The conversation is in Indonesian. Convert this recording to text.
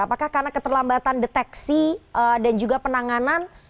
apakah karena keterlambatan deteksi dan juga penanganan